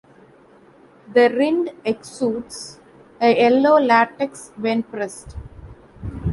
The rind exudes a yellow latex when pressed.